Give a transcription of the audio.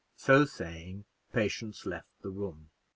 So saying, Patience left the room.